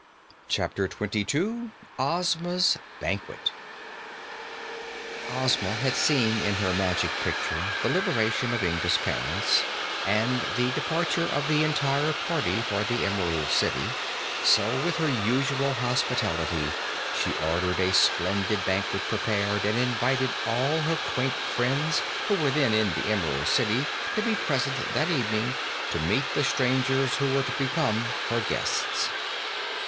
Chapter Twenty Two Ozma's Banquet Ozma had seen in her Magic Picture the liberation of Inga's parents and the departure of the entire party for the Emerald City, so with her usual hospitality she ordered a splendid banquet prepared and invited all her quaint friends who were then in the Emerald City to be present that evening to meet the strangers who were to become her guests.